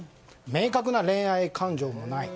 明確な恋愛感情もない。